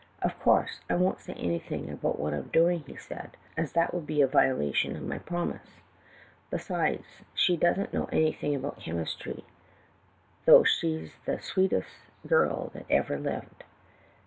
'Of course, I won't say anything about what I'm doing,' said he, 'as that would be a violation of my promise. Besides, she doesn't know anything about chemistry, though she 's the sweetest girl that ever lived.